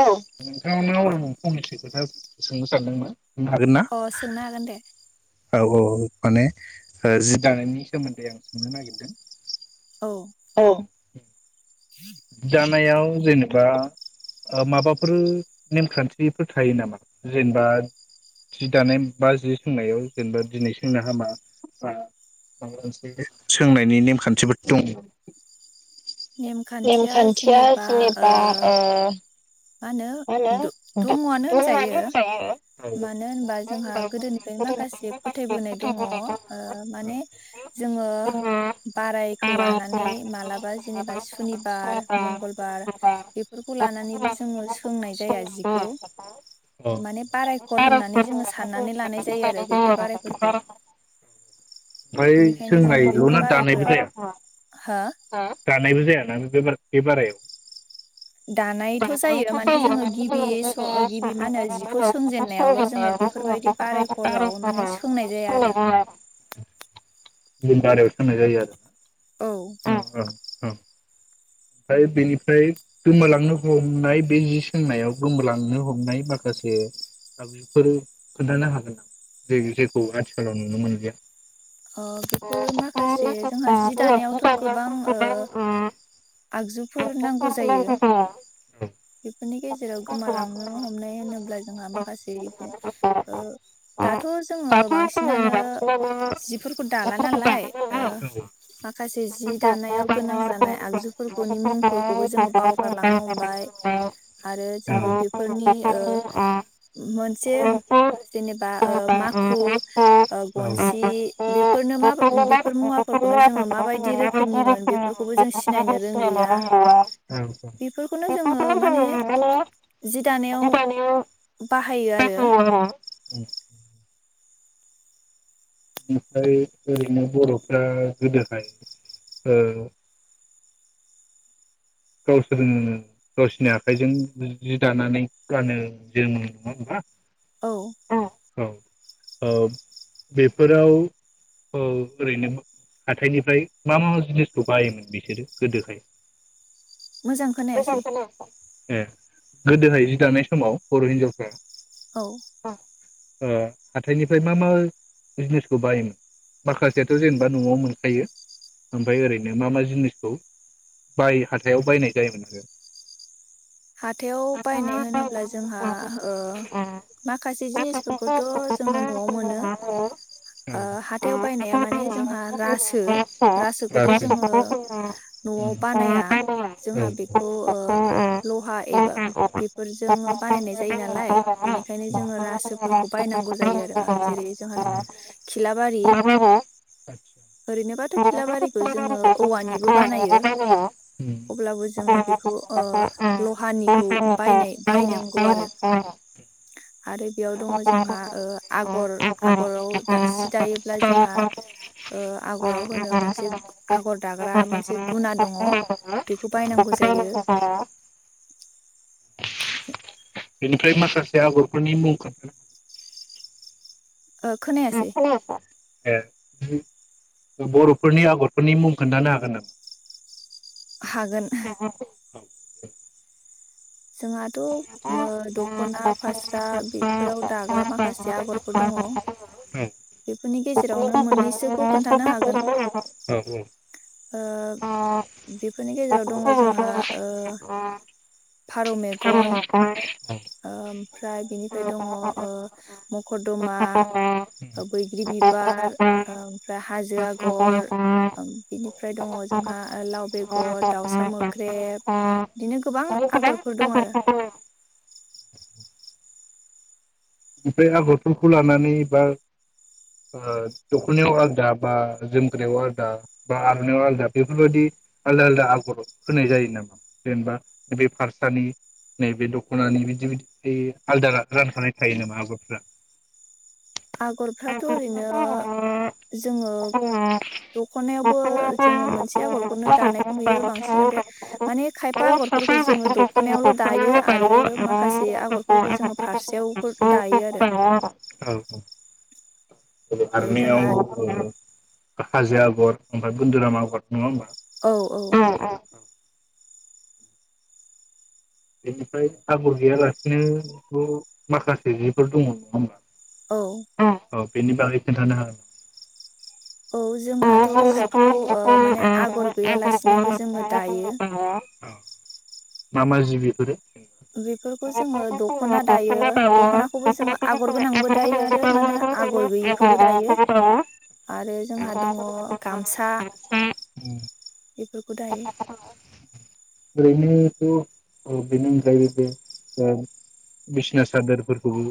औ नोंथांनाव कमस खोथा सोंनो सानदोंमोन । अ सोंनो हागोन दे। औ औ औ माने ओ जि दानायनि सोमोन्दै आं सोंनो औ नागिरदों। औ। ए [inaudible] जानायाव जेनेबा ओ माबाफोर नेमखान्थिफोर थायो नामा जेनेबा जि दानाय बा जि सोंनायाव जेनेबा दिनै सोंनो हामा बा माबा मोनसे सोंनायनि नेमखान्थिफोर दङ? नेमखान्थिया जेनेबा ओ मा होनो द दङआनो होनजायो मानो होनबा जोंहा जोंना गोदोनिफ्रायनो गोदोनि माखासे फोथायबोनाय दङ ओ माने जोङो जोंना बारायखौ बाराय लानानै सोलाय मालाबा जेनेबा सुनिबार सोरबा मंगलबार ओमफ्राय बेफोरखौ लानानैबो जो जोङो सोंनाय जाया जिखौ माने बारायखर होननानै जोङो साननानै लानाय जायो आरो बेफोर बारायफोरखौ ओमफ्राय बिनिखायनो जोङो सोंनायल' बेफोर ना दानायबो बारायफोराव जाया हो दानायबो जायाना बे बार बाराय दानायथ' जायो माने जोङो गिबि गिबि मा होनो जिखौ सोंजेनन्नायावल' जोङो बेफोरबायदि बाराय खराव माने सोंनाय जाया आरो गुबुन बे बारायाव सोंनाय जायो आरो औ। औ। ओमफ्राय बेनिफ्राय गोमालांनो हमनाय बे जि सोंनायाव गोमालांनो हमनाय माखासे आगजुफोर खोन्थानो हागोन नामा जेखौ आथिखालाव नुनो मोनलिया अ बेफोर माखासे जोंहा जि दानायावथ' गोबां ओ गोबां आगजुफोर नांगौ दाथ' जायो बेफोरनि गेजेराव गोमालांनो हमनाय होनोब्ला जोंहा माखासेफोर ओ दाथ' जोङो जोङो बांसिनानो बांसिनानो जिफोरखौ दाला जिफोरखौ नालाय दानो ओ नालाय औ माखासे जि दानायाव गोनां बेफोरखौनो जोङो जानाय माने आगजु फोरफोरखौनि जि मुंफोरखौबो जोङो दानायाव बावगारलांनो हमबाय आरो जोङो बेफोरनि ओ मोनसे जेनेबा ओ माखु ओ गन्सि बेफोरनो मा बेफोर मुवा खौनो जोङो माबायदि रोखोमनिमोन खौबो जों सि बेफोरखौनो [inaudible] जोङो माने जि दानायाव बाहायो बाहायोआरो आरो उम बिदिनो बर'फ्रा गोदोहाय ओ गावसोरनिनो गावसोरनि आखाइजों जि दानानै गानो जोमो नङा होनबा औ औ ओ बेफोराव औ ओरैनो हाथायनिफ्राय मा मा जिनिसखौ बायोमोन बिसोरो गोदोहाय मोजां खोनायासै ए गोदोहाय जि दानाय समाव बर' हिनजावफ्रा औ ओ‌ हाथायनिफ्राय मा मा जिनिसखौ बायोमोन माखासेयाथ' जेनेबा न'आव मोनखायो ओमफाय ओरैनो मा मा जिनिसखौ बायो हाथायाव बायनाय जायो मोन आरो हाथायाव बायनाय होनोब्ला जोंहा ओ माखासे औ जिनिसफोरखौथ' जोंनो न'आव मोनो ओ हाथायाव बायनाया माने जोंहा रासो रासोखौथ' जोङो न'आव बानाया जोंहा बेखौ ओ लहा एबा बेफोरजोंनो बानायनाय जायो नालाय बेनिखायनो जोङो रासोफोरखौ बायनांगौ जायोआरो जेरै जोंहा दङ खिलाबारि ओरैनोबाथ खिलाबारिखौ जोङो औवानिबो बानायो अब्लाबो जोङो बेखौ ओ लहानिखौ बायनाय बायनांगौ आरो आरो बेयाव दङ जोंहा ओ आगर आगराव दा जि दायोब्ला जोंहा ओ आगराव होनो मोनसे आगर दाग्रा मोनसे गुना दङ बेखौ बायनांगौ जायो बेनिफ्राय बेनिफ्राय माखासे आगरफोरनि मुं खोन्था ओ खोनायासै खोन्थानो ए बरफोरनि आगरफोरनि मुं खोन्थानो हागोन नामा हागोन जोंहाथ मो द खना फास्रा बेफोराव दाग्रा मा खासि आगरफोर दङ बेफोरनि गेजेरावनो मोननैसोखौ खोन्थानो हागोन ओ बेफोरनि गेजेराव दङ जोंहा ओ फारौ मेगन ओमफ्राय बिनिफ्राय दङ ओ मकरदमा ओ बैग्रि बिबार ओ ओमफ्राय हाजो आगर ओम बिनिफ्राय दङ जोंहा लाव बेगर औ दाउसा औ मोख्रेब बिदिनो गोबां ओमफ्राय आगरफोर दं आरो बिफोर आगरफोरखौ लानानै बा दखनायाव आलदा बा जोमग्रायाव आलदा बा आरनायाव आलदा बेफोरबायदि आलदा आलदा आगर होनाय जायो नामा जेनेबा बे फारसानि नैबे दखनानि बिदि बिदि थायो आलदा रानखानाय थायो नामा आगरफ्रा आगरफ्राथ ओरैनो जोङो दखनायावबो जोङो मोनसे आगरखौनो दानायखौ नुयो बांसिन ओमफ्राय माने खायफा आगरफोरखौ जोङो दखनायावल दायो आरो माखासे आगरफोरखौ जोङो फास्रा यावबो दायो आरो [unintelligible] जे जोंहा ओ हाजो आगर ओमफ्राय बुन्दुराम आगर नङा होमबा औ औ [unintelligible] आगर गैयालासिनोथ माखासे जिफोर दङ नङा होमबा औ औ बेनि बागै खोनथानो हा औ जोंहाथ जिखौ ओ माने आगर गैयालासिनोबो जोङो दायो औ मा मा जि बिफोरो बेफोरखौ जोङो दखना दायो दखनाखौबो जोङो आगर गोनांबो दायो आरो माहोनो आगर गैयिखौबो दायो आरो जोंहा दङ गामसा बेफोरखौ दायो ओरैनोथ बेनि अनगायैबो ओ बिसना सादोरफोरखौबो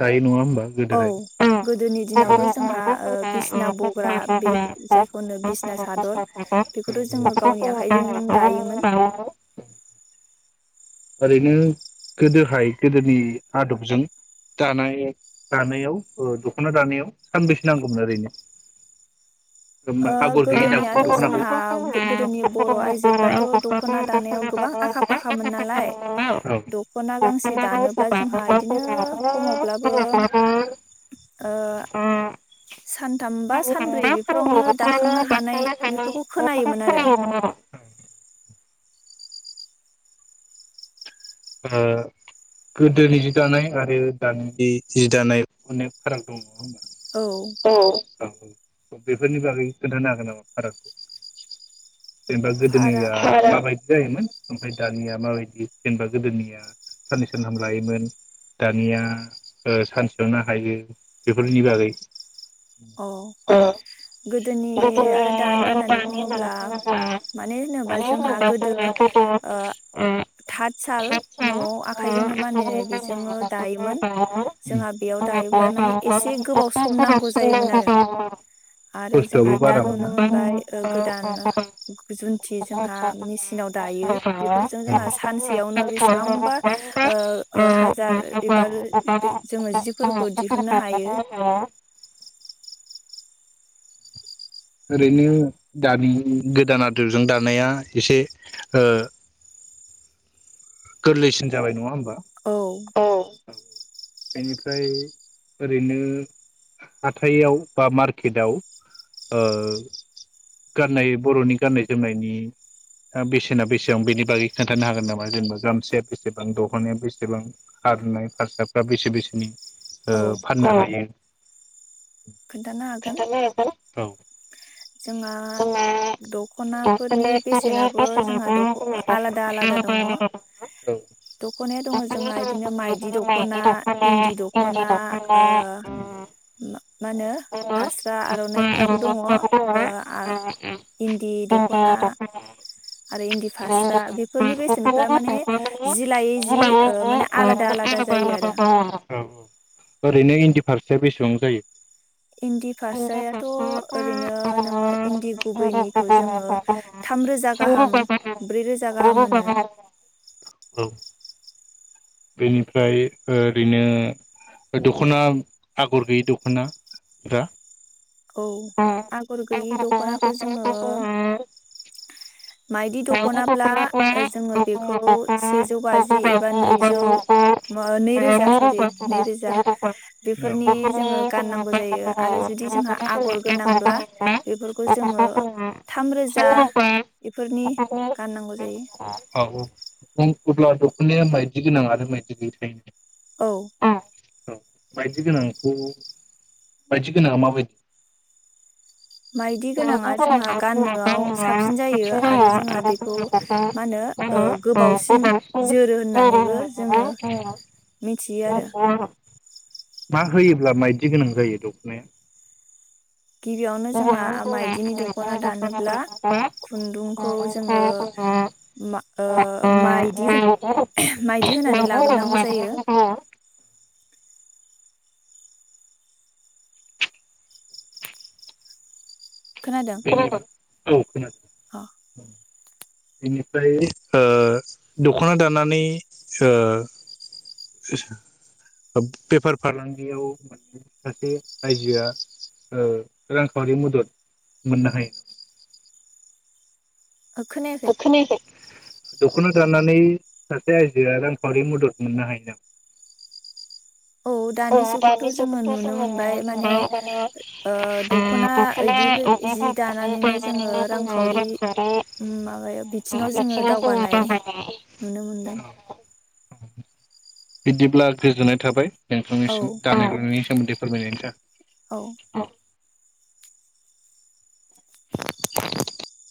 दायो नङा होमबा औ गोदोनि दिनावथ जोंहा ओ बिसना बग्रा बे जायखौनो बिसना सादर बेखौथ जोङो गावनि आखाइजों दायोमोन ओरैनो गोदोहाय गोदोनि आदबजों दानाय दानायाव ओ दखना दानायाव सानबेसे नांगौमोन ओरैनो ओ आगर गैयि गोदोनियाथ जोंहा दख'नाखौ गोदोनि बर आइजोफ्राथ दखना दानायाव गोबां आखा फाखा मोन नालाय नालाय दखना गांसे दानोब्ला जोंहा बिदिनो खमावब्लाबो ओ सानथाम बा सानब्रै बेफोरावनो दाखांनो औ हानाय बेफोरखौ ओ खोनायोमोन आरो गोदोनि जि दानाय आरो दानि जि दानाय अनेक फाराग दं औ औ बेफोरनि बागै खोन्थानो हागोन नामा फारागखौ जेनेबा गोदोनिया फाराग माबादि जायोमोन ओमफ्राय दानिया माबायदि जेनेबा गोदोनिया साननै सानथाम लायोमोन दानिया ओ सानसेयावनो हायो बेफोरनि बागै औ ओ गोदोनि आरो दानि आरो होननानै दानि बुङोब्ला होननानै माने जेनेबा मानो जोंहा होनोबा गोदो जोंना ओ ओ थार्द साल सान न'आव आ ओ आखाइजोंनो बानायनाय आखाइजोंनो बेजोंनो दायोमोन जोंहा बेयाव दायोब्ला माने एसे गोबाव सम नांगौ जायोमोन आरो आरो जोंहा खस्थ'आबो दा बारा नुनो मोना। मोनबाय गोदान औ जुन्थि जोंहा मेसिनाव दायो बेफोरजों जोंहा सानसेयावनो बेसेबांबा ओ ओ हाजार एबार जोङो जिफोरखौ दिहुनन्नो हायो ओरैनो दानि गोदान आदबजों दानाया एसे ओ गोरलैसिन जाबाय नङा होमबा? औ बेनिफ्राय ओरैनो हाथायाव बा मार्केटआव ओ गाननाय बर'नि गाननाय जोमनायनि बेसेना बेसेबां बेनि बागै खोन्थानो हागोन नामा जेनेबा गामसाया बेसेबां दखनाया बेसेबां आरनाय फारसा बा बेसे बेसेनि ओ औ फाननो हायो खोन्थानो हागोन औ जोंहा जोंना दख'नाफोरनि बेसेनाबो जोंहा दख आलादा आलादा दङ दख'नाया दङ जोंहा इदिनो माइदि दख'ना इन्दि दख'ना ओ मा होनो दङ फास्रा आर'नाइफोराबो दङ। आर'नाइफ्राबो ओ आ दङ इन्दि दख'ना आरो इन्दि फास्रा बेफोरनि बेसेनफ्रा माने जि लायै जि ओ माने आलादा आलादा जायो आरो औ औ ओरैनो इन्दि फारसाया बेसेबां जायो? इन्दि फारसायाथ' ओरैनो नोङो इन्दि गुबैनिखौ जोङो थामरोजा गाहाम ब्रै रोजा गाहाम होनो औ बेनिफ्राय ओरैनो दख'ना आगर गैयि दख'ना दा औ आगर गैयि दख'नाखौ जोङो माइदि दखनाब्ला जोङो बेखौ से जौ बाजि एबा नैजौ मा नै रोजास सरि नै रोजा बेफोरनि जोङो गाननांगौ जायो आरो जुदि जोंहा आगर गोनांब्ला [unintelligible] बेफोरखौ जोङो थामरोजा बेफोरनि गाननांगौ जायो। अ अब्ला दख'नाया माइायदि गोनां आरो मायदि गैयै थायो। औ मायदि गोनांखौ मायदि गोनाङा माबायदि? माइदि गोनाङा जोंहा गाननोआव साबसिन जायो आरो जोंहा बेखौ मा होनो ओ गोबावसिन जोरो होननानैबो जोङो मिथियो आरो। मा होयोब्ला मायदि गोनां जायो दखनाया? गिबियावनो जोंहा माइदिनि दख'ना दानोब्ला खुन्दुंखौ जोङो माइदि ओ माइ बि माइ माइदि होनानै बिदि होनानै लाग्रोनांगौ जायो। खोनादों बेनि औ खोनादों अ बेनिफ्राय ओ दख'ना दानानै ओ बेफार फालांगियाव मोन सासे आयजोआ रांखावरि मदद मोननो हायो। खोनायाखै दख'ना दानानै सासे आयजोआ रांखावरि मदद मोननो हायो नामा? औ दानि जुगावथ जोंङो नुनो मोनबाय ओ माने ओ दखना इदि जि इदिखौ दानानैनो जोङो रांखवरि ओम माबायाव बिथिङाव जोङो दावगानाय नुनो मोनदों। बिदिब्ला गोजोननाय थाबाय। औ नोंथांनिसिम दानि [unintelligible] सोमोनदै फोरमायनायनि था औ [inaudible]